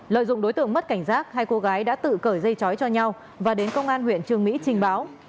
lợi dụng đối tượng mất cảnh giác hai cô gái đã tự cởi dây chói cho nhau và đến công an huyện trường mỹ trình báo